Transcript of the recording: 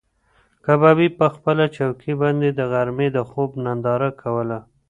کبابي په خپله چوکۍ باندې د غرمې د خوب ننداره کوله.